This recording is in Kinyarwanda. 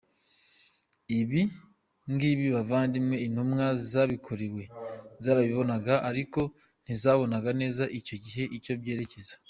Ibi ngibi bavandimwe Intumwa zabikorewe, zarabibonaga, ariko ntizabonaga neza icyo gihe iyo byerekeza.